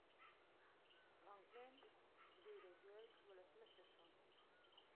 فرانکلن ډي روزولټ ولسمشر شو.